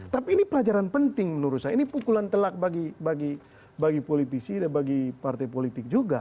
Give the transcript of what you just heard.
tapi ini pelajaran penting menurut saya ini pukulan telak bagi politisi dan bagi partai politik juga